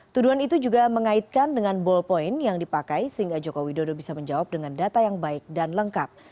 tuduhan itu juga mengaitkan dengan ballpoint yang dipakai sehingga joko widodo bisa menjawab dengan data yang baik dan lengkap